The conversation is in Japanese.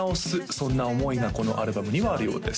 そんな思いがこのアルバムにはあるようです